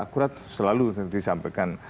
akurat selalu disampaikan